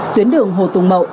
tuyến đường hồ tùng mậu